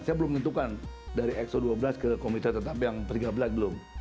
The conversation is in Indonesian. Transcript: saya belum tentukan dari exo dua belas ke komite tetap yang tiga belas belum